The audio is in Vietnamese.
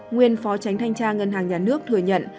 nguyên phó tránh thanh tra ngân hàng nhà nước thừa nhận